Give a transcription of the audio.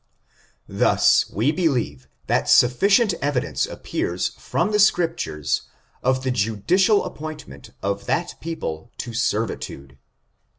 Thus we believe that sufficient evidence appears from the Scriptures, of the judicial appointment of that people to servitude.